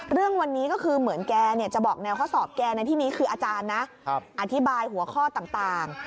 เรื่องวันนี้ก็คือเหมือนแกจะบอกแนวข้อสอบแกในที่นี้คืออาจารย์นะอธิบายหัวข้อต่าง